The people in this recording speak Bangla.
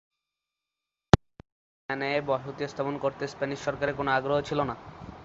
কিন্তু এখানে বসতি স্থাপন করতে স্প্যানিশ সরকারের কোন আগ্রহ ছিলো না।